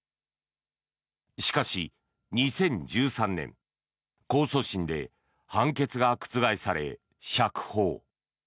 しかし、２０１３年控訴審で判決が覆され、釈放。